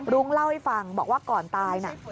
รุ้งเล่าให้ฟังบอกว่าก่อนตายน่ะ